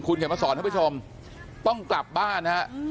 คุณเข้มมาสอนให้ผู้ชมต้องกลับบ้านนะฮะ